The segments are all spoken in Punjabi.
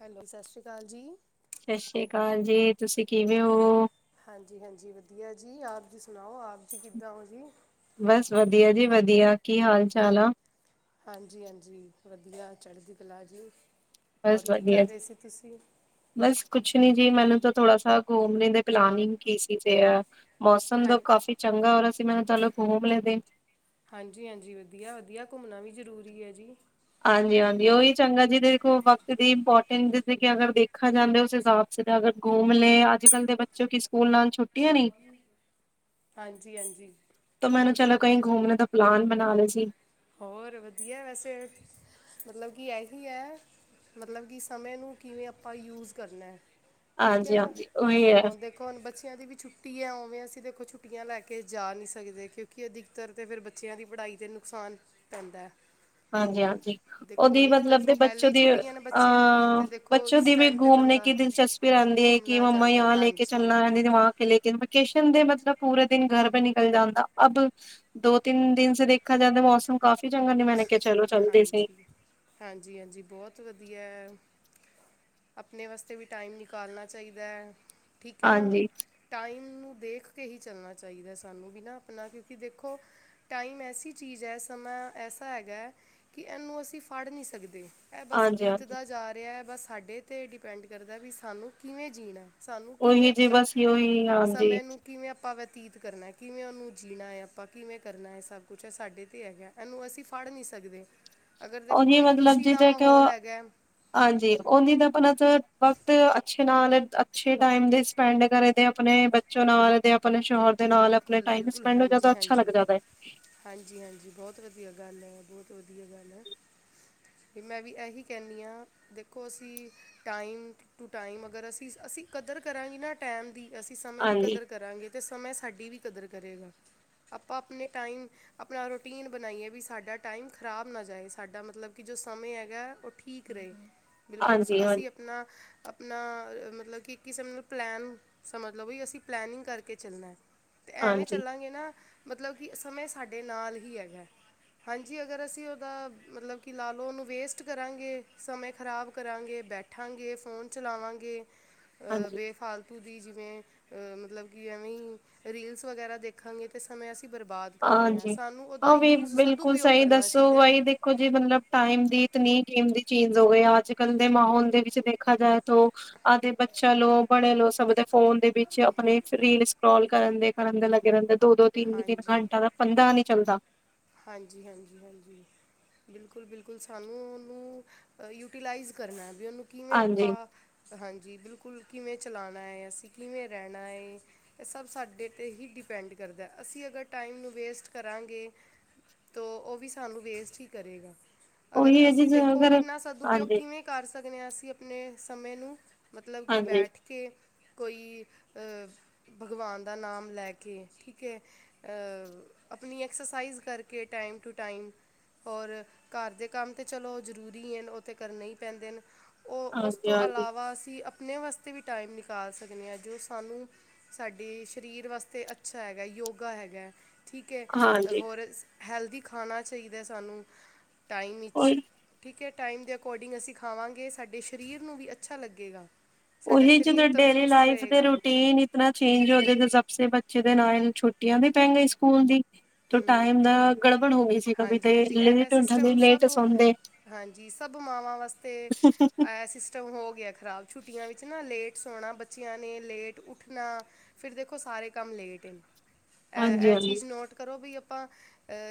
ਹੈਲੋ ਸਤਿ ਸ਼੍ਰੀ ਅਕਾਲ ਜੀ ਸਤਿ ਸ੍ਰੀ ਅਕਾਲ ਜੀ ਤੁਸੀਂ ਕਿਵੇਂ ਹੋ ਹਾਂਜੀ ਹਾਂਜੀ ਵਧੀਆ ਜੀ ਆਪ ਜੀ ਸੁਣਾਓ ਆਪ ਜੀ ਕਿੱਦਾਂ ਹੋ ਜੀ ਬਸ ਵਧੀਆ ਜੀ ਵਧੀਆ ਕੀ ਹਾਲ ਚਾਲ ਆ ਹਾਂਜੀ ਹਾਂਜੀ ਵਧੀਆ ਚੜ੍ਹਦੀ ਕਲਾ ਜੀ ਬਸ ਹੋਰ ਕੀ ਵਧੀਆ ਕਰ ਜੀ ਰਹੇ ਸੀ ਤੁਸੀਂ ਬਸ ਕੁਛ ਨੀ ਜੀ ਮੈਨੂੰ ਤਾਂ ਥੋੜਾ ਸ ਘੁੰਮਣੇ ਦੇ ਪਲਾਨਿੰਗ ਕੀ ਸੀ ਤੇ ਆ ਮੌਸਮ ਹਾਂ ਦਾ ਕਾਫੀ ਚੰਗਾ ਔਰ ਮੈ ਚਲ ਖੋਬ ਲੈਂਦੇ ਹਾਂਜੀ ਹਾਂਜੀ ਵਧੀਆ ਵਧੀਆ ਘੁੰਮਣਾ ਵੀ ਜ਼ਰੂਰੀ ਹੈ ਜੀ ਹਾਂਜੀ ਹਾਂਜੀ ਉਓਹੀ ਚੰਗਾ ਜਿਦੇ ਦੇਖੋ ਵਕਤ ਦੀ ਇੰਪੋਰਟੈਂ ਜ ਕਿ ਅਗਰ ਦੇਖਿਆ ਜਾਂਦਾ ਉਸ ਹਿਸਾਬ ਅਗਰ ਘੁੰਮ ਲ ਅੱਜ ਕਲ ਦੇ ਬੋਂ ਕਿ ਸਕੂਲ ਨਾਲ ਛੁੱਟੀਆਂ ਨੀ, ਹਾਂਜੀ ਹਾਂਜੀ ਤਾਂ ਮੈਨੂੰ ਚਲੋ ਕਈ ਘੁੰਮਣੇ ਦਾ ਪਲਾਨ ਬਣਾ ਲਏ ਸੀ ਹੋਰ ਵਧੀਆ ਵੈਸੇ ਮਤਲਬ ਕਿ ਇਹੀ ਹੈ ਮਤਲਬ ਕਿ ਸਮੇਂ ਨੂੰ ਕਿਵੇਂ ਆਪਾਂ ਯੂਜ ਕਰਨਾ ਠੀਕ ਹੈ ਨਾ ਹਾਂਜੀ-ਹਾਂਜੀ ਉਹੀ ਹੈ। ਹੁਣ ਦੇਖੋ ਹੁਣ ਬੱਚਿਆਂ ਦੀ ਵੀ ਛੁੱਟੀ ਹੈ ਭਾਵੇਂ ਅਸੀਂ ਦੇਖੋ ਛੁੱਟੀਆਂ ਲੈ ਕੇ ਜਾ ਨਹੀਂ ਸਕਦੇ ਕਿਉਂਕਿ ਅਧਿਕਤਰ ਤਾਂ ਫਿਰ ਬੱਚਿਆਂ ਦੀ ਪੜ੍ਹਾਈ 'ਤੇ ਨੁਕਸਾਨ ਪੈਂਦਾ ਹਾਂਜੀ ਹਾਂਜੀ ਦੇਖੋ ਉਹਦੀ ਇੱਕ ਮਤਲਬ ਦੇ ਤਰਫੋਂ ਪਹਿਲੇ ਬੱਚੋ ਹੀ ਦੀ ਛੁੱਟੀਆਂ ਨੇ ਬੱਚਿਆਂ ਦੀ ਅਹ ਅਤੇ ਦੇਖੋ ਬੱਚੋ ਇਸ ਦੀ ਵੀ ਟਾਈਮ 'ਤੇ ਘੁੰਮਨ ਬੰਦਾ ਕੀ ਦਿਲਚਸਪੀ ਰਹਿੰਦੀ ਹੈ ਕਿ ਘੁੰਮਣਾ ਮੰਮਾ ਜਾਂਦੇ ਨੇ ਆਹ ਲੈ ਕੇ ਹਾਂਜੀ ਚੱਲਣਾ ਰਹਿੰਦੀ ਵ ਕੇ ਲੈ ਕੇ ਵਕੇਸ਼ਨ ਦੇ ਮਤਲਬ ਪੂਰੇ ਦਿਨ ਘਰ ਪੇ ਨਿਕਲ ਜਾਂਦਾ ਅਬ ਦੋ ਤਿੰਨ ਦਿਨ ਦੇਖਾ ਜਾਂਦਾ ਮੌਸਮ ਕਾਫ਼ੀ ਚੰਗਾ ਨਹੀਂ ਮੈਂ ਹਾਂਜੀ ਹਾਂਜੀ ਹਾਂਜੀ ਬਹੁਤ ਵਧੀਆ ਆਪਣੇ ਵਾਸਤੇ ਵੀ ਟਾਈਮ ਨਿਕਾਲਣਾ ਚਾਹੀਦਾ ਹੈ ਠੀਕ ਹੈ ਨਾ ਹਾਂਜੀ। ਟਾਈਮ ਨੂੰ ਦੇਖ ਕੇ ਹੀ ਚੱਲਣਾ ਚਾਹੀਦਾ ਸਾਨੂੰ ਬਿਨਾਂ ਆਪਣਾ ਕਿਉਂਕਿ ਦੇਖੋ ਟਾਈਮ ਐਸੀ ਚੀਜ਼ ਹੈ ਸਮਾਂ ਐਸਾ ਹੈਗਾ ਕਿ ਇਹਨੂੰ ਅਸੀਂ ਫੜ ਨਹੀਂ ਸਕਦੇ ਇਹ ਬਸ ਹਾਂਜੀ-ਹਾਂਜੀ ਬੀਤਦਾ ਜਾ ਰਿਹਾ ਹੈ ਬਸ ਸਾਡੇ 'ਤੇ ਡਿਪੈਂਡ ਕਰਦਾ ਵੀ ਸਾਨੂੰ ਕਿਵੇਂ ਜੀਣਾ ਸਾਨੂੰ ਕਿਵੇਂ ਉਹੀ ਜੀ ਆਪਣਾ ਬਸ ਉਹੀ ਹਾਂਜੀ ਸਮੇ ਨੂੰ ਕਿਵੇਂ ਆਪਾਂ ਤੀਤ ਕਰਨਾ ਕਿਵੇਂ ਉਹਨੂੰ ਜੀਣਾ ਹੈਏ ਆਪਾਂ ਕਿਵੇਂ ਕਰਨਾ ਹੈ ਸਭ ਕੁਛ ਇਹ ਸਾਡੇ ਤੇ ਹੈਗਾ ਇਹਨੂੰ ਅਸੀਂ ਫੜ ਨੀ ਸਕਦੇ ਉਨੀ ਮਤਲਬ ਜਿ ਦਾ ਕਿ ਉਹ ਮਾਹੌਲ ਹੈਗਾ ਹੈ, ਹਾਂਜੀ ਉਨੀ ਤਾਂ ਆਪਲ ਵਕਤ ਅੱਛੇ ਨਾਲ ਅੱਛੇ ਟਾਈਮ ਦੇ ਸਪੈਂਡ ਕਰੇ ਦੇ ਆਪਣੇ ਬੱਚੋਂ ਨਾਲ ਆਪਣੇ ਸ਼ੋਹਰ ਦੇ ਨਾਲ ਆਪਣੇ ਬਿਲਕੁਲ ਟਾਈਮ ਬਿਲਕੁਲ ਸਪੈਂਡ ਹੋ ਹਾਂਜੀ ਜਾਦਾ ਅੱਛਾ ਲੱਗ ਹਾਂਜੀ ਜਾਦਾ ਹੈ ਹਾਂਜੀ ਹਾਂਜੀ ਬਹੁਤ ਵਧੀਆ ਗੱਲ ਹੈ ਬਹੁਤ ਵਧੀਆ ਗੱਲ ਹੈ ਅਤੇ ਮੈਂ ਵੀ ਇਹੀ ਕਹਿੰਦੀ ਹਾਂ ਦੇਖੋ ਅਸੀਂ ਟਾਈਮ ਟੂ ਟਾਈਮ ਅਗਰ ਅਸੀਂ ਅਸੀਂ ਕਦਰ ਕਰਾਂਗੇ ਨਾ ਟਾਈਮ ਦੀ ਅਸੀਂ ਸਮੇਂ ਦੀ ਹਾਂਜੀ ਕਦਰ ਕਰਾਂਗੇ ਤੇ ਸਮੇਂ ਸਾਡੀ ਵੀ ਕਦਰ ਕਰੇਗਾ ਆਪਾਂ ਆਪਣੇ ਟਾਈਮ ਆਪਣਾ ਰੂਟੀਨ ਬਣਾਈਏ ਵੀ ਸਾਡਾ ਟਾਈਮ ਖ਼ਰਾਬ ਨਾ ਜਾਏ ਸਾਡਾ ਮਤਲਬ ਕਿ ਜੋ ਸਮੇਂ ਹੈਗਾ ਉਹ ਠੀਕ ਰਹੇ ਬਿਲਕੁਲ ਹਾਂਜੀ ਹਾਂ ਅਸੀਂ ਆਪਣਾ ਆਪਣਾ ਮਤਲਬ ਕਿ ਕਿਸੇਬ ਪਲੈਨ ਸਮਝ ਲਓ ਵੀ ਅਸੀਂ ਪਲੈਨਿੰਗ ਕਰਕੇ ਚੱਲਣਾ ਤੇ ਐਵੇਂ ਹਾਂਜੀ ਚੱਲਾਂਗੇ ਨਾ ਮਤਲਬ ਕਿ ਸਮੇਂ ਸਾਡੇ ਨਾਲ ਹੀ ਹੈਗਾ ਹਾਂਜੀ ਅਗਰ ਅਸੀਂ ਉਹਦਾ ਮਤਲਬ ਕਿ ਲਾ ਲਓ ਉਹਨੂੰ ਵੇਸਟ ਕਰਾਂਗੇ ਸਮੇਂ ਖ਼ਰਾਬ ਕਰਾਂਗੇ ਬੈਠਾਂਗੇ ਫੋਨ ਚਲਾਵਾਂਗੇ ਅ ਹਾਂਜੀ ਬੇ ਫਾਲਤੂ ਦੀ ਜਿਵੇਂ ਅਹ ਮਤਲਬ ਐਵੇਂ ਰੀਲਸ ਵਗੈਰਾ ਦੇਖਾਂਗੇ ਤੇ ਸਮੇਂ ਅਸੀਂ ਬਰਬਾਦ ਕਰ ਰਹੇ ਹਾਂ ਹਾਂਜੀ ਸਾਨੂੰ ਉਹਦਾ ਹਾਂ ਵੀ ਯੂਜ਼ ਬਿਲਕੁਲ ਸਦਉਪਯੋਗ ਸਹੀ ਕਰਨਾ ਦੱਸੋ ਚਾਹੀਦਾ ਹੈ। ਬਹੀ ਦੇਖੋ ਜੀ ਮਤਲਬ ਟਾਈਮ ਦੀਤਨੀ ਗੇਮ ਦੀ ਚੇਂਜ ਹੋ ਗਏ ਅੱਜ ਕੱਲ ਦੇ ਮਾਹੌਲ ਦੇ ਵਿੱਚ ਦੇਖਿਆ ਜਾਏ ਤਾਂ ਆਦਿ ਬੱਚਾ ਲੋ ਬੜੇ ਲ ਸਭ ਦੇ ਫੋਨ ਦੇ ਵਿੱਚ ਆਪਣੇ ਰੀਲ ਸਕ੍ਰੋਲ ਕਰਨ ਦੇ ਕਰਨ ਦੇ ਲੱਗੇ ਰਹਿੰਦੇ ਦੋ ਦੋ ਤਿੰਨ ਦਿਨ ਹਾਂਜੀ ਘੰਟਾ ਦਾ ਪੰਦਾ ਨਹੀਂੀ ਚੱਲਦਾ ਹਾਂਜੀ ਹਾਂਜੀ ਹਾਂਜੀ,,, ਬਿਲਕੁਲ ਬਿਲਕੁਲ ਸਾਨੂੰ ਉਹਨੂੰ ਯੂਟੀਲਾਈਜ਼ ਕਰਨਾ, ਵੀ ਉਹਨੂੰ ਕਿਵੇਂ ਹਾਂਜੀ ਆਪਾਂ,, ਹਾਂਜੀ ਬਿਲਕੁਲ ਕੁਲ ਕਿਵੇਂ ਚਲਾਉਣਾ ਹੈ ਅਸੀਂ ਕਿਵੇਂ ਰਹਿਣਾ ਹੈ ਇਹ ਸਭ ਸਾਡੇ 'ਤੇ ਹੀ ਡਿਪੈਂਡ ਕਰਦਾ ਅਸੀਂ ਅਗਰ ਟਾਈਮ ਨੂੰ ਵੇਸਟ ਕਰਾਂਗੇ,, ਤ ਉਹ ਵੀ ਸਾਨੂੰ ਵੇਸਟ ਹੀ ਕਰੇਗਾ,, ਅਗਰ ਉਹੀ ਹੈ ਜੀ ਅਸੀਂ ਜ ਦੇਖੋ ਅਗਰ ਕਿੰਨਾ ਸਦੂਪਯੋਗ ਹਾਂਜੀ ਕਿਵੇਂ ਕਰ ਸਕਦੇ ਹਾਂ ਅਸੀਂ ਆਪਣੇ, ਸਮੇਂ ਨੂੰ, ਮਤਲਬ ਕਿ ਹਾਂਜੀ ਬੈਠ ਕੇ, ਕੋਈ,,,,,,, ਭਗਵਾਨ ਦਾ ਨਾਮ ਲੈ ਕੇ ਠੀਕ ਹੈ ਆਪਣੀ ਐਕਸਰਸਾਈਜ਼ ਕਰਕੇ, ਕੇ ਟਾਈਮ ਟੂ,,, ਟਾਈਮ ਔਰ ਘਰ ਦੇ ਕੰਮ ਤੇ ਚਲੋ ਜ਼ਰੂਰੀ ਹਨ ਉਹ ਤੇ ਕਰਨੇ ਹੀ ਪੈਂਦੇ ਨੇ ਉਹ ਉਸ ਹਾਂਜੀ ਤੋਂ ਹਾਂਜੀ ਇਲਾਵਾ ਅਸੀਂ ਅਪਣੇ, ਆਪੇ ਵਾਸਤੇ ਵੀ ਟਾਈਮ ਨਿਕਾਲ ਸਕਦੇ ਹਾਂ ਜੋ ਸਾਨੂੰ ਸਾਡੇ ਸਰੀਰ ਵਾਸਤੇ ਅੱਛਾ ਹੈਗਾ ਯੋਗਾ ਹੈਗਾ,, ਠੀਕ ਹੈ ਹਾਂਜੀ ਹੋਰ, ਹੈਲਦੀ ਖਾਣਾ ਚਾਹੀਦਾ ਸਾਨੂੰ, ਟਾਈਮ ਵਿੱਚ ਉਹੀ ਠੀਕ ਹੈ, ਟਾਈਮ ਦੇ ਅਕੋਰਡਿੰਗ ਅਸੀਂ ਖਾਵਾਂਗੇ ਸਾਡੇ ਸਰੀਰ ਨੂੰ ਵੀ ਅੱਛਾ ਲੱਗੇਗਾ, ਸਾਡਾ ਉਹੀ ਸਰੀਰ ਜਦੋਂ ਡੇਲੀ ਤੰਦਰੁਸਤ ਲਾਈਫ ਦੇ ਰਹੇਗਾ ਰੂਟੀਨ ਇਤ ਚੇਂਜ ਹੋ ਸ ਬੱਚੇ, ਦੇ ਨਾਲੂੰ ਛੁੱਟੀਆਂ ਵੀ ਪੈ ਗਈ ਸਕੂਲ ਦੀ, ਤੋ ਹਮ,,,,,, ਟਾਈਮ ਦਾ ਗੜਬੜ ਹੋ ਗਈ ਸੀ ਕਭੀ ਹਾਂਜੀ ਤੇ ਹਾਂਜੀ ਇਹ ਇਹ ਲੇਟ ਉਠਦੇ ਸਿਸਟਮ ਲੇਟ ਸਭ ਸੌਦੇ ਹਾਂਜੀ ਸਭ ਮਾਵਾਂ,,,, ਵਾਸਤੇ ਇਹ ਸਿਸਟਮ ਹੋ ਗਿਆ ਖਰਾਬ, ਛੁੱਟੀਆਂ ਵਿੱਚ ਨਾ ਲੇਟ ਸੋਣਾ ਬੱਚਿਆਂ ਨੇ ਲੇਟ ਉੱਠਣਾ ਫਿਰ ਦੇਖੋ ਸਾਰੇ ਕੰਮ ਲੇਟ ਨੇ, ਹਾਂਜੀ ਇਹ ਇਹ ਹਾਂਜੀ ਚੀਜ਼ ਨੋਟ, ਕਰੋ ਵੀ ਆਪਾਂ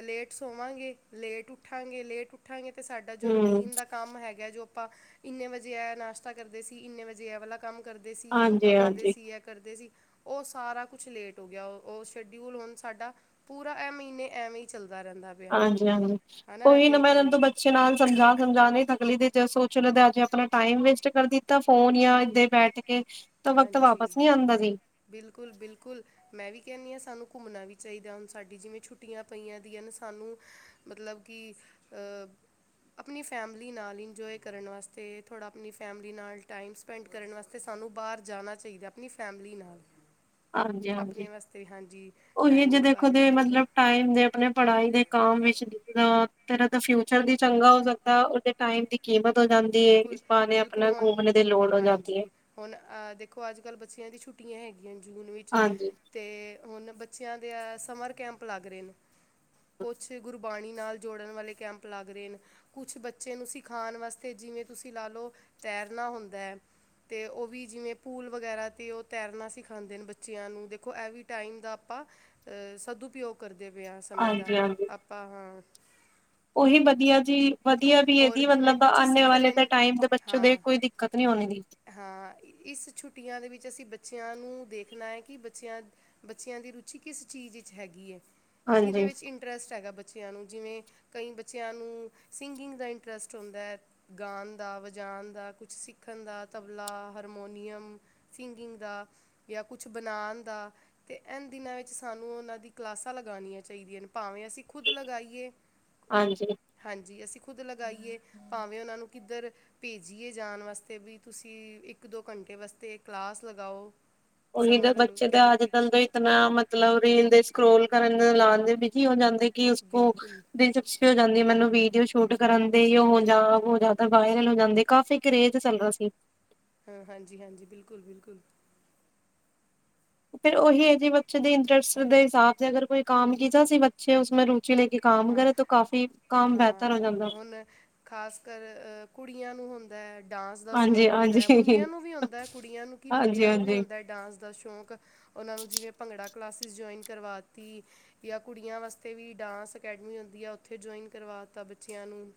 ਲੇਟ ਸੋਵਾਂਗੇ ਲੇਟ ਉੱਠਾਂਗੇ ਲੇਟ ਉੱਠਾਂਗੇ, ਤੇ ਸਾਡਾ ਜੋ ਹਮ ਰੂਟੀਨ ਦਾ ਕੰਮ ਹੈਗਾ ਜੋ, ਆਪਾਂ ਇੰਨੇ ਵਜੇ ਆ ਨਾਸ਼ਤਾ ਕਰਦੇ ਸੀ ਇੰਨੇ ਵਜੇ ਐ ਵਾਲਾ, ਕੰਮ ਕਰਦੇ ਸੀ ਯੋਗਾ ਹਾਂਜੀ ਕਰਦੇ ਹਾਂਜੀ ਸੀ ਇਹ ਕਰਦੇ ਸੀ ਉਹ ਸਾਰਾ ਕੁਛ ਲੇਟ ਹੋ ਗਿਆ ਉਹ ਸ਼ਡਊਲ ਹੁਣ ਸਾਡਾ, ਪੂਰਾ ਇਹ ਮਹੀਨੇ ਐਵੇਂ ਹੀ ਚੱਲਦਾ, ਰਹਿੰਦਾ ਪਿਆ ਹਾਂਜੀ ਹਾਂਜੀ,,, ਹੈ ਉਹੀ ਨਾ ਦੇਖ ਮੈਂ ਰਹੇ ਇਹ ਹੋ ਤੋਂ ਬੱਚੇ ਨਾਲ ਸਮਝਾ ਸਮਝਾ ਨਹੀਂ ਥਕਲੀ ਦੇ, ਜ ਸੋਚ ਲਦੇ ਅਜੇ ਆਪਣਾ ਟਾਈਮ ਵੇਸਟ ਕਰ ਦਿੱਤਾ ਫੋਨ ਜਾਂ ਇਦ ਬੈਠ ਕੇ, ਤਾਂ ਵਕਤ ਹਾਂਜੀ,,,,,, ਵਾਪਸ ਨਹੀਂ ਆਉਂਦਾ ਜੀ ਬਿਲਕੁਲ ਬਿਲਕੁਲ ਮੈਂ ਵੀ ਕਹਿੰਦੀ ਹਾਂ ਸਾਨੂੰ, ਘੁੰਮਣਾ ਵੀ ਚਾਹੀਦਾ ਹੁਣ ਸਾਡੀ ਜਿਵੇਂ ਛੁੱਟੀਆਂ ਪਈਆਂ ਦੀਆਂ ਸਾਨੂੰ ਮਤਲਬ ਕਿ,,,, ਆਪਣੀ ਫੈਮਿਲੀ ਨਾਲ ਇੰਜੋਏ ਕਰਨ ਵਾਸਤੇ ਥੋੜ੍ਹਾ ਆਪਣੀ ਫੈਮਿਲੀ ਨਾਲ ਟਾਈਮ ਸਪੈਂਡ ਕਰਨ ਵਾਸਤੇ ਸਾਨੂੰ ਬਾਹਰ, ਜਾਣਾ ਚਾਹੀਦਾ ਆਪਣੀ ਫੈਮਲੀ ਨਾਲ,, ਹਾਂਜੀ ਆਪਣੇ ਹਾਂਜੀ,,,,,,,, ਵਾਸਤੇ ਹਾਂਜੀ ਉਹੀ ਟਾਈਮ ਜੇ ਦੇਖੋ ਨਿਕਾਲਣਾ ਦੇ ਚਾਹੀਦਾ ਹੈ ਮਤਲਬ ਟਾਈਮ ਦੇ ਆਪਣੇ ਪੜ੍ਹਾਈ ਦੇ ਕੰਮ ਵਿੱਚ ਇਤਨਾ,, ਤਰ ਦਾ ਫਿਊਚਰ ਵੀ ਚੰਗਾ ਹੋ ਸਕਦਾ ਉਹਦੇ ਟਾਈਮ ਦੀ, ਕੀਮਤ ਹੋ ਜਾਂਦੀ ਹੈ ਬਿਲਕੁਲ ਇਸ ਬਹਾਨੇ ਬਿਲਕੁਲ ਆਪਣਾ ਹੁਣ ਘੁੰਮਣੇ ਦੀ ਲੋੜ ਹੋ ਜਾਂਦੀ ਹੈ ਹਾਂਜੀ ਹੁਣ ਅਹ ਦੇਖੋ ਅੱਜ ਕੱਲ ਬੱਚਿਆਂ ਦੀ ਛੁੱਟੀਆਂ ਹੈਗੀਆਂ, ਜਾਂ, ਜੂਨ ਵਿੱਚ ਹਾਂਜੀ ਤੇ ਹੁਣ ਬੱਚਿਆਂ ਦੇ ਏ ਸਮਰ ਕੈਂਪ ਲੱਗ ਰਹੇ, ਨੇ ਕੁਛ ਗੁਰਬਾਣੀ ਨਾਲ ਜੋੜਨ ਵਾਲੇ ਕੈਂਪ ਲੱਗ ਰਹੇ ਨੇ, ਕੁਛ ਬੱਚੇ ਨੂੰ ਸਿਖਾਉਣ ਵਾਸ ਤੇ ਜਿਵੇਂ ਤੁਸੀਂ ਲਾ ਲਓ ਤੈਰਨਾ ਹੁੰਦਾ ਹੈ। ਤੇ ਉਹ ਵੀ ਜਿਵੇਂ ਪੂਲ ਵਗੈਰਾ ਤੇ ਉਹ ਤੈਰਨਾ ਸਿਖਾਂਦੇ ਨੇ ਬੱਚਿਆਂ ਨੂੰ ਦੇਖੋ ਐਵ ਟਾਈਮ ਦਾ ਆਪਾਂ ਸਦ ਉਪਯੋਗ ਕਰਦੇ ਦੇ ਵਿਆਹ ਸਮੇਂ ਦਾ ਹਾਂਜੀ ਹਾਂਜੀ ਆਪਾਂ ਹਾਂ। ਉਹੀ ਵਧੀਆ ਜੀ ਵਧੀਆ ਵੀ ਇਹਦੀ ਹੋਰ ਜਿਵੇਂ ਮਤਲਬ ਕੁਛ ਆਨੇ ਸਿੱਖ ਵਾਲੇ ਰਹੇ ਦੇ ਨੇ ਟਾਈਮ ਦੇ ਬੱਚੋਂ ਦੇ ਹਾਂ ਕੋਈ ਦਿੱਕਤ ਨੀ ਹੋਣੇ ਦੀ ਹਾਂ ਇਸ ਛੁੱਟੀਆਂ ਦੇ ਵਿੱਚ ਅਸੀਂ ਬੱਚਿਆਂ ਨੂੰ ਦੇਖਣਾ ਹੈ, ਕਿ ਬੱਚਿਆਂ ਬੱਚਿਆਂ ਦੀ ਰੁਚੀ ਕਿਸ ਚੀਜ਼ ਵਿੱਚ ਹੈਗੀ ਹੈ। ਕਿਹਦੇ ਹਾਂਜੀ ਵਿੱਚ ਇੰਟਰਸਟ ਹੈਗਾ ਬਚ ਬੱਚਿਆਂ ਨੂੰ, ਜਿਵੇਂ ਕਈ ਬੱਚਿਆਂ ਨੂੰ ਸਿੰਗਿੰਗ ਦਾ ਇੰਟਰਸਟ ਹੁੰਦਾ ਹੈ। ਗਾਣ ਦਾ ਵਜਾਣ ਦਾ ਕੁਛ ਸਿੱਖਣ ਦਾ ਤਬਲਾ, ਹਾਰਮੋਨੀਅਮ ਸਿੰਗਿੰਗ ਦਾ ਜਾਂ ਕੁਛ ਬਨਾਣ ਦਾ ਤੇ, ਐਨ ਦਿਨਾਂ ਵਿੱਚ ਸਾਨੂੰ ਉਹਨਾਂ ਦੀ ਕਲਾਸਾਂ ਲਗਾਣੀਆਂ ਚਾਹੀਦੀਆਂ ਨੇ। ਭਾਵੇਂ ਅਸੀਂ ਖੁਦ ਲਗਾਈਏ। ਹਾਂਜੀ ਜੇ ਅਸੀਂ ਖੁਦ ਲਗਾਈਏ, ਭਾਵੇਂ ਉਹਨਾਂ ਨੂੰ ਕਿੱਧਰ ਭੇਜੀਏ ਜਾਣ ਵਾਸਤੇ, ਵੀ ਤੁਸੀਂ ਇੱਕ ਦੋ ਘੰਟੇ ਵਾਸਤੇ ਕਲਾਸ ਲਗਾਓ। ਉਹੀ ਦੇ ਸਮਰ ਬੱਚੇ ਤਾਂ ਅੱਜ ਕੈਂਪ ਕਲ ਤੋਂ, ਇਤਨਾ ਮਤਲਬ ਰੀਲ ਦੇਚ ਕਰੋਲ ਕਰਨ ਨੂੰ ਲਾਉਣ ਦੇ ਬਿਜੀ ਹੋ ਜਾਂਦੇ। ਕਿ ਉਸ ਕੋ ਬਿਲਕੁਲ ਦਿਲਚਸਪੀ ਜਾਂਦੀ ਮੈਨੂੰ ਵੀਡੀਓ ਸ਼ੂਟ ਕਰਨ ਦੇ ਉਹ ਜਾਂ ਤੇ ਹੋ ਜਾਂ ਵਾਇਰਲ ਹੋ ਜਾਂਦੇ ਕਾਫੀ ਕਰੇਜ਼ ਚੱਲਰਹਾ ਸੀ। ਹਾਂ, ਹਾਂ ਹਾਂਜੀ, ਹਾਂਜੀ ਬਿਲਕੁਲ, ਬਿਲਕੁਲ। ਫਿਰ ਉਹੀ ਹੈ। ਜੀ ਬੱਚੇ ਦੇ ਇੰਟਰਸਟ ਦੇ ਹਿਸਾਬ ਤੇ ਅਗਰ ਕੋਈ ਕੰਮ ਕੀਚਾ ਸੀ। ਬੱਚੇ ਉਸੇ ਰੁ ਹਾਂ, ਹਾਂ ਜਾਂਦਾ। ਹੁਣ ਖ਼ਾਸ ਕਰ ਅ ਕੁੜੀਆਂ ਨੂੰ ਹੁੰਦਾ ਬੈਠ ਡਾਂਸ ਦਾ ਸ਼ੌਂਕ ਹੁੰਦਾ ਹੈ। ਹਾਂਜੀ-ਹਾਂਜੀ, ਮੁੰਡਿਆਂ ਨੂੰ ਵੀ ਹੁੰਦਾ ਕੁੜੀਆਂ ਨੂੰ ਕਿ ਮੁੰਡਿਆਂ ਨੂੰ ਵੀ ਹਾਂਜੀ-ਹਾਂਜੀ। ਹੁੰਦਾ ਹੈ। ਡਾਂਸ ਦਾ ਸ਼ੌਂਕ ਉਹਨਾਂ ਨੂੰ ਜਿਵੇਂ ਭੰਗੜਾ ਕਲਾਸਿਸ ਜੁਆਇਨ ਕਰਵਾ ਤੀ ਜਾਂ ਕੁੜੀਆਂ ਵਾਸਤੇ ਵੀ ਡਾਂਸ ਅਕੈਡਮੀ ਹੁੰਦੀ ਆ, ਉੱਥੇ ਜੁਆਇਨ ਕਰਵਾਤਾ ਬੱਚਿਆਂ ਨੂੰ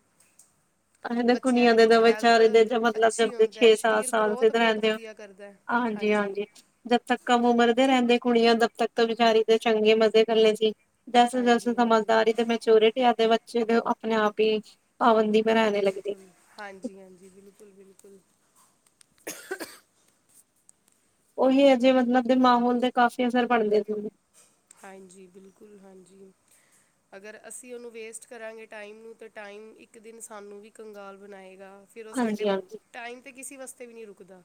ਅ ਬੱਚਿਆਂ ਕੁਨੀਆਂ ਦੀ ਦੇ ਕੁਝ ਹੈਲਥ ਵਿਚਾਰੇ ਦੇ ਮਤਲਬ ਅੱਛੀ ਜ ਹੁੰਦਾ ਹੈ ਛੇ ਸੱਤ ਸਰੀਰ ਸਾਲ ਸ ਗਰੋਥ ਬਹੁਤ ਰਹਿੰਦੇ ਹੋ। ਵਧੀਆ ਕਰਦਾ ਹੈ ਹਾਂਜੀ ਹਾਂਜੀ-ਹਾਂਜੀ ਜਦ ਤੱਕ ਕਮ ਉਮਰ ਦੇ ਰਹਿੰਦੇ ਕੁੜੀਆਂ ਦਬ ਤੱਕ ਤੋਂ ਵਿਚਾਰੀ ਦੇ ਚੰਗੇ, ਮਜ਼ੇ ਕਰੱਲੇ ਸੀ। ਜੈਸ-ਜੈਸੇ ਹਾਂਜੀ ਹਾਂਜੀ ਸਮਝਦਾਰੀ ਤੇ, ਮੈਚੋ੍ਰਿਟੀ ਆਤੇ ਵਕਤ ਜਿਦੋਂ ਆਪਣੇ ਆਪ ਹੀ ਪਾਬੰਦੀ ਮੈਂ ਰਹਿਣੇ ਲੱਗਦੀ ਬਿਲਕੁਲ ਹਾਂਜੀ-ਹਾਂਜੀ। ਬਿਲਕੁਲ-ਬਿਲਕੁਲ। ਉਹੀਓ ਅਜੇ ਮਤਲਬ ਦੇ ਮਾਹੌਲ ਤੇ ਕਾਫੀ ਅਸਰ ਪਣਦੇ ਸੀ। ਹਾਂਜੀ, ਬਿਲਕੁਲ, ਹਾਂਜੀ। ਅਗਰ ਅਸੀਂ ਉਹਨੂੰ ਵੇਸਟ ਕਰਾਂਗੇ ਟਾਈਮ ਨੂੰ, ਤਾਂ ਟਾਈਮ ਇੱਕ ਦਿਨ ਸਾਨੂੰ ਵੀ ਕੰਗਾਲ ਬਣਾਏਗਾ। ਫੇਰ ਉਹ ਸਾਡੇ ਹਾਂਜੀ ਹਾਂਜੀ ਟਾਈਮ ਤੇ ਕਿਸੇ ਵਾਸਤੇ ਤੇ ਨਹੀਂ ਰੁਕਦਾ।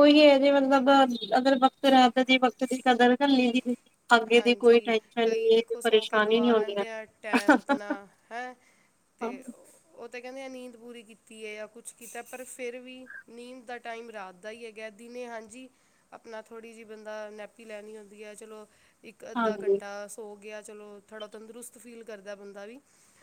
ਉਹੀ ਹੈ। ਜੇ ਮਤਲਬ ਅਗਰ ਵਕਤ ਰਹੇ ਤਾਂ ਜੇ ਵਕਤ ਦੀ ਕਦਰ ਕਰ ਲਈ ਦੀ ਅੱਗੇ ਦੀ ਕੋਈ ਹਾਂਜੀ, ਟੈਨਸ਼ਨ ਕਈ ਨੀ ਦੇਖੋ ਸੋ ਕੇ ਪਰੇਸ਼ਾਨੀ ਨੀ ਗਵਾ ਹੋਣੀ ਲੈਂਦੇ ਆ, ਹੈ ਟੈਮ ਆਪਣਾ ਹੈਂ ਤੇ ਤੇ ਕਹਿੰਦੇ ਆ ਨੀਂਦ ਪੂਰੀ ਕੀਤੀ ਹੈ। ਜਾਂ ਆ ਕੁਛ ਕੀਤਾ ਪਰ ਫਿਰ ਵੀ ਨੀਂਦ ਦਾ ਟਾਈਮ ਰਾਤ ਦਾ ਹੀ ਹੈਗਾ ਦਿਨੇ ਹਾਂਜੀ ਆਪਣਾ ਥੋੜ੍ਹੀ ਜਿਹੀ ਬੰਦਾ ਨੈਪੀ ਲੈਣੀ ਹੁੰਦੀ ਹੈ। ਚਲੋ ਇੱਕ ਅੱਧਾ ਹਾਂਜੀ ਘੰਟਾ ਸੋ ਗਿਆ। ਚਲੋ ਥੋੜ੍ਹਾ ਤੰਦਰੁਸਤ ਫੀਲ ਕਰਦਾ ਬੰਦਾ ਵੀ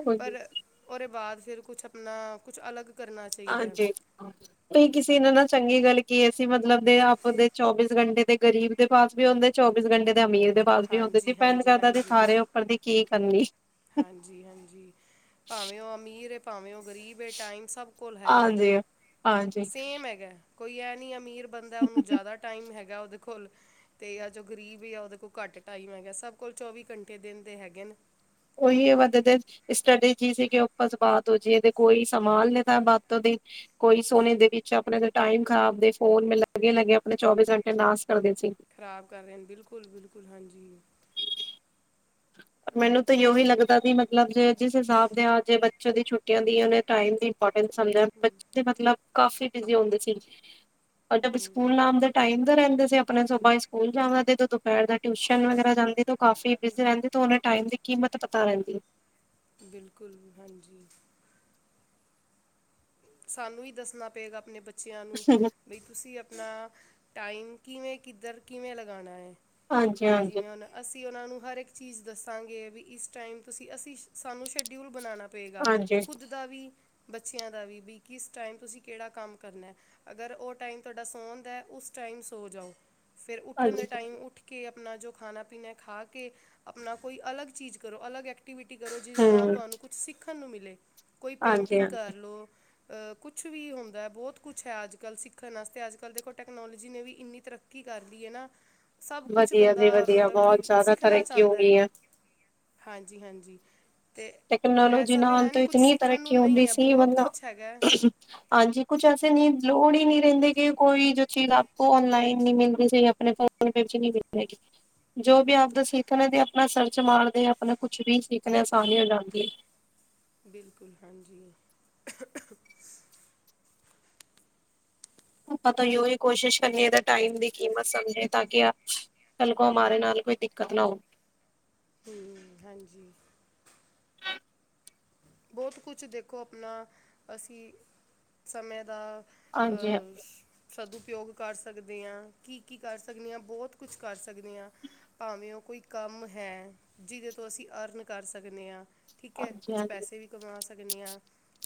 ਉਹੀ ਪਰ ਉਹਦੇ ਬਾਅਦ ਫਿਰ ਕੁੱਛ ਆਪਣਾ ਕੁੱਛ ਅਲੱਗ ਕਰਨਾ ਚਾਹੀਦਾ ਹੈ ਹਾਂਜੀ। ਤੁਸੀ ਕਿਸੇ ਨ ਨਾਲ ਚੰਗੀ ਗੱਲ ਕੀ ਹੈ। ਸੀ ਮਤਲਬ ਦੇ ਆਪਦੇ ਚੌਬੀਸ ਘੰਟੇ ਦੇ ਗਰੀਬ ਦੇ ਪਾਸ ਵੀ ਹੁੰਦੇ ਚੌਬੀਸ ਘੰਟੇ ਦੇ ਅਮੀਰ ਪਾਸ ਵੀ ਹੁੰਦੇ। ਹਾਂਜੀ ਦੀਪੈਂਡ ਹਾਂਜੀ ਕਰਦਾ ਧਾਰੇ ਉਪਰ ਵੀ ਕੀ ਹਾਂਜੀ। ਹਾਂਜੀ-ਹਾਂਜੀ। ਭਾਵੇਂ ਉਹ ਅਮੀਰ ਭਾਵੇਂ ਉਹ ਗਰੀਬ ਏ। ਟਾਈਮ ਸਭ ਕੋਲ ਹੈਗਾ ਹਾਂਜੀ, ਹਾਂਜੀ ਸੇਮ ਹੈਗਾ। ਕੋਈ ਐ ਨੀ ਅਮੀਰ ਬੰਦਾ ਉਹਨੂੰ ਜ਼ਿਆਦਾ ਟਾਈਮ ਹੈਗਾ। ਉਹਦੇ ਕੋਲ ਤੇ ਆ ਜੋ ਗਰੀਬ ਆ ਉਹਦੇ ਕੋਲ ਘੱਟ ਟਮ ਹੈਗਾ ਸਭ ਕੋਲ ਚੌਵੀ ਘੰਟੇ ਦਿਨ ਦੇ ਹੈਗੇ ਨੇ [unintelligible] ਖ਼ਰਾਬ ਕਰ ਰਹੇ ਨੇ ਬਿਲਕੁਲ-ਬਿਲਕੁਲ, ਹਾਂਜੀ। ਮੈਨੂੰ ਤਾਂ ਯੋਹੀ ਲੱਗਦਾ ਵੀ ਮਤਲਬ ਜੇ ਜਿਸ ਹਿਸਾਬ ਦੇ ਆਜੇ ਬੱਚਿਆਂ ਦੀ ਛੁੱਟੀਆਂ ਦਾ ਟਾਈਮ ਵੀ [unintelligible] ਕਾਫੀ ਬਿਜੀ ਹੁੰਦੇ ਸੀ। ਤੁਹਾਡਾ ਵੀ ਸਕੂਲ ਨਾਮ ਦਾ ਟਾਈਮ ਦਾ ਰਹਿੰਦੇ ਸੀ। ਆਪਣੇ ਸੁਭਾ ਹੀ ਸਕੂਲ ਜਾਵਾਂ ਤੇ ਤੇ ਦੁਪਹਿਰ ਦਾ ਟਿਊਸ਼ਨ ਵਗੈਰਾ ਜਾਂਦੇ ਤੋਂ ਕਾਫੀ ਬਿਜੀ ਰਹਿੰਦੀ ਤਾਂ ਉਹਨੂੰ ਟਾਈਮ ਦੀ ਕੀਮਤ ਪਤਾ ਰਹਿੰਦੀ ਬਿਲਕੁਲ ਹਾਂਜੀ ਸਾਨੂੰ ਹੀ ਦੱਸਣਾ ਪਏਗਾ ਆਪਣੇ ਬੱਚੇ ਬੱਚਿਆਂ ਨੂੰ ਬਈ ਤੁਸੀਂ ਆਪਣਾ ਟਾਈਮ ਕਿਵੇਂ ਕਿੱਧਰ ਕਿਵੇਂ ਲਗਾਣਾ ਹਾਂਜੀ ਵੀ ਹਾਂਜੀ ਜਿਵੇਂ ਹੁਣ ਅਸੀਂ ਉਹਨਾ ਨੂੰ ਹਰ ਇੱਕ ਚੀਜ਼ ਦੱਸਾਂਗੇ ਵੀ ਇਸ ਟਾਈਮ ਤੁਸੀਂ ਅਸੀਂ ਸਾਨੂੰ ਸ਼ਡਿਊਲ ਬਣਾਣਾ ਪਏਗਾ ਹਾਂਜੀ ਖੁੱਦ ਦਾ ਵੀ ਬੱਚਿਆਂ ਦਾ ਵੀ ਵੀ ਕਿਸ ਟਾਈਮ ਤੁਸੀਂ ਕਿਹੜਾ ਕੰਮ ਕਰਨਾ ਅਗਰ ਉਹ ਟਾਈਮ ਤੁਹਾਡਾ ਸੌਣਦਾ ਉਸ ਟਾਈਮ ਸੌ ਜਾਓ। ਫੇਰ ਉੱਠਣ ਦੇ ਹਾਂਜੀ ਟਾਈਮ ਉੱਠ ਕੇ ਆਪਣਾ ਜੋ ਖਾਣਾ ਪੀਣਾ ਖਾ ਕੇ ਆਪਣਾ ਕੋਈ ਅਲੱਗ ਚੀਜ਼ ਕਰੋ ਅਲੱਗ ਐਕ ਐਕਟੀਵਿਟੀ ਕਰੋ ਜਿਹਦੇ ਨਾਲ ਹਮ ਤੁਹਾਨੂੰ ਕੁਛ ਸਿੱਖ ਸਾਨੂੰ ਮਿਲੇ ਕੋਈ ਹਾਂਜੀ ਹਾਂਜੀ ਕੁਛ ਵੀ ਹੁੰਦਾ ਬਹੁਤ ਕੁਛ ਹੈ ਅੱਜ ਕੱਲ੍ਹ ਸਿੱਖਣ ਵਾਸਤੇ ਅੱਜ ਕੱਲ੍ਹ ਦੇਖੋ ਟੈਕਨੋਲੋਜੀ ਨੇ ਵੀ ਇੰਨੀ ਤਰੱਕੀ ਕਰ ਲਈ ਹੈ। ਨਾ ਸਭ ਕੁਛ ਵਧੀਆ ਬੰਦਾ ਜੀ ਵਧੀਆ ਮਤਲਬ ਕਿ ਬਹੁਤ ਜ਼ਿਆਦਾ ਸਿੱਖਣਾ ਤਰੱਕੀ ਹੋ ਚਾਂਦਾ ਗਈ ਹੈ ਹਾਂਜੀ-ਹਾਂਜੀ। ਟਕਨੋਲੋਜੀ ਨਾਲ ਤੇ ਇਤਨੀ ਨੂੰ ਤਰੱਕੀ ਹੁੰਦੀ ਨਹੀਂ ਹੈ ਸੀ ਬਹੁਤ ਬੰਦਾ ਕੁਝ ਹੈਗਾ ਹੈ। ਹਾਂਜੀ ਕੁੱਛ ਐਸੇ ਨਹੀਂ ਲੋੜ ਹੀ ਨਹੀਂ ਰਹਿੰਦੀ ਕੀ ਕੋਈ ਜੋ ਚੀਜ਼ ਆਪ ਕੋ ਆਨਲਾਈਨ ਨਹੀਂ ਮਿਲਦੀ ਸੀਹੀ ਆਪਣੇ ਫੋਨ ਨਹੀਂ ਮਿਲਗੀ ਜੋ ਵੀ ਆਪਦਾ ਸਿੱਖਣਾ ਤੇ ਆਪਣਾ ਸਰਚ ਮਾਰਦੇ ਆਪਣਾ ਕੁਛ ਵੀ ਸਿੱਖਣਾ ਆਸਾਨੀ ਹਾਂਜੀ ਬਿਲਕੁਲ ਹਾਂਜੀ। ਆਪਾਂ ਤੋਂ ਓਹੀ ਕੋਸ਼ਿਸ਼ ਕਰੀਏ ਤਾਂ ਟਾਈਮ ਦੀ ਕੀਮਤ ਸਮਝੇ ਤਾਂ ਕਿ ਕੱਲ ਕੋ ਹਮਾਰੇ ਨਾਲ ਕੋਈ ਦਿੱਕਤ ਨਾ ਹੋ। ਹੂੰ ਹਾਂਜੀ। ਬਹੁਤ ਕੁਛ ਦੇਖੋ ਆਪਣਾ ਅਸੀਂ ਸਮੇਂ ਦਾ ਅ, ਹਾਂਜੀ-ਹਾਂਜੀ। ਸਦਉਪਯੋਗ ਕਰ ਸਕਦੇ ਹਾਂ ਕੀ-ਕੀ ਕਰ ਸਕਦੇ ਹਾਂ ਬਹੁਤ ਕੁਛ ਕਰ ਸਕਦੇ ਹਾਂ ਭਾਵੇਂ ਉਹ ਕੋਈ ਕੰਮ ਹੈ ਜਿਹਦੇ ਤੋਂ ਅਸੀਂ ਅਰਨ ਕਰ ਸਕਦੇ ਆ। ਠੀਕ ਹੈ ਹਾਂਜੀ ਕੁਛ ਹਾਂਜੀ ਕਮਾ ਸਕਦੇ ਹਾਂ।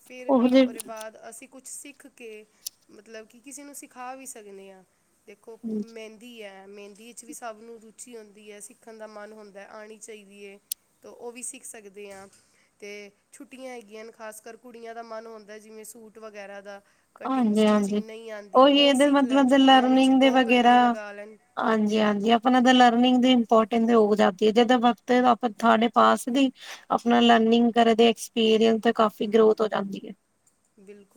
ਫਿਰ ਉਹਦੇ ਬਾਅਦ ਅਸੀਂ ਕੁਛ ਸਿੱਖ ਕੇ ਮਤਲਬ ਕਿ ਕਿਸੇ ਨੂੰ ਸਿਖਾ ਵੀ ਸਕਦੇ ਹਾਂ। ਦੇਖੋ ਹਾਂਜੀ ਮਹਿੰਦੀ ਹੈ ਮਹਿੰਦੀ ਵਿੱਚ ਵੀ ਸਭ ਨੂੰ ਰੁਚੀ ਹੁੰਦੀ ਹੈ ਸਿੱਖਣ ਦਾ ਮਨ ਹੁੰਦਾ ਆਣੀ ਚਾਹੀਦੀ ਹੈ ਤਾਂ ਉਹ ਵੀ ਸਿੱਖ ਸਕਦੇ ਹਾਂ। ਅਤੇ ਛੁੱਟੀਆਂ ਹੈਗੀਆਂ ਹਨ ਖਾਸ ਕਰ ਕੁੜੀਆਂ ਦਾ ਮਨ ਹੁੰਦਾ ਜਿਵੇਂ ਸੂਟ ਵਗੈਰਾ ਦਾ ਕਟਿੰਗ ਹਾਂਜੀ-ਹਾਂਜੀ ਸਟਿਚਿੰਗ ਨਹੀਂ ਆਂਦੀ ਉਹੀ ਉਹ ਇਹਦੇ ਸਿੱਖ ਲੈਣ ਮਤਲਬ ਛੁੱਟੀਆਂ ਵਿੱਚ ਲਰਨਿੰਗ ਦੇ ਵਗੈਰਾ ਘੰਟੇ ਲਗਾ ਲੈਣ ਹਾਂਜੀ-ਹਾਂਜੀ ਆਪਣਾ ਲ ਲਾਰਨਿਗ ਦੀ ਇਮਪੋਟਸ [unintelligible] ਆਪਣਾ ਲਰਨੀਗ ਕਰਦੇ ਐਕਸਪੀਰੀਅਸ ਤੇ ਕਾਫੀ ਗਰੋਥ ਜਾਂਦੀ ਆ। ਬਿਲਕੁ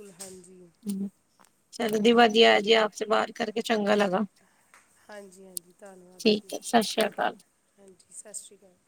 ਹ ਚੱਲੋ [unintelligible] ਜੀ ਆਪ ਸੇ ਬਾਤ ਕਰਕੇ ਚੰਗਾ ਲਗਾ। ਹਾਂਜੀ-ਹਾਂਜੀ ਧੰਨਵਾਦ ਜੀ ਠੀਕ ਹੈ ਸਤਿ ਸ੍ਰੀ ਅਕਾਲ। ਹਾਂਜੀ ਸਤਿ ਸ਼੍ਰੀ ਅਕਾਲ।